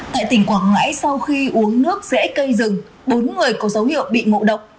tại tỉnh quảng ngãi sau khi uống nước rễ cây rừng bốn người có dấu hiệu bị ngộ độc